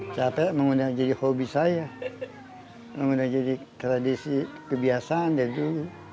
capek menggunakan jadi hobi saya menggunakan jadi tradisi kebiasaan dari dulu